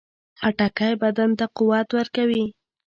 خټکی بدن ته قوت ورکوي.